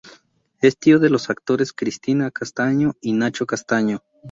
Es tío de los actores Cristina Castaño y Nacho Castaño.